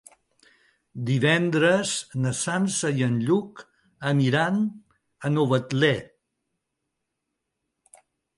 Divendres na Sança i en Lluc aniran a Novetlè.